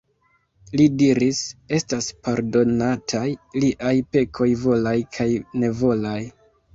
Li diris: "Estas pardonataj liaj pekoj volaj kaj nevolaj."